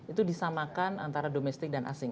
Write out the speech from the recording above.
itu disamakan antara domestik dan asing